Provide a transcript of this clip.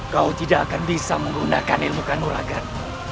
kau tidak akan bisa menggunakan ilmu kanuragar